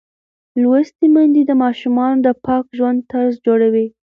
لوستې میندې د ماشومانو د پاک ژوند طرز جوړوي.